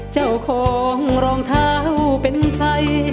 เจ้าของรองเท้าเป็นใคร